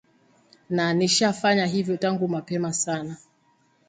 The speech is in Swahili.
Na nishafanya hivyo tangu mapema sana